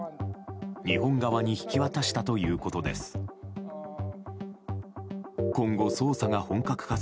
日本側に引き渡したということです。